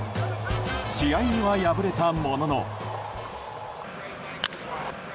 試合には敗れたものの。